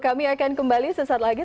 kami akan kembali sesaat lagi